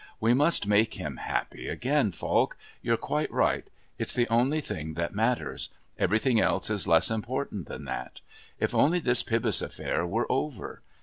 We must make him happy again, Falk. You're quite right. It's the only thing that matters. Everything else is less important than that. If only this Pybus affair were over!